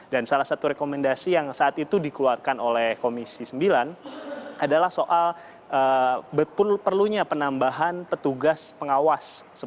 dan salah satu rekomendasi yang saat itu dikeluarkan oleh komisi sembilan adalah soal perlunya penambahan petugas pengawas